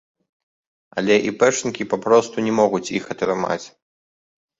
Але іпэшнікі папросту не могуць іх атрымаць.